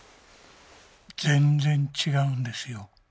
全然違うんですよ。